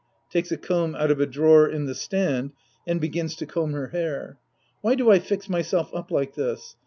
{Takes a comb out of a drawer in the stand and begins to comb her hair.) Why do I fix myself up like this